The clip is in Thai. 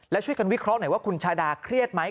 แล้วช่วยกันวิเคราะห์หน่อยว่าคุณชาดาเครียดไหม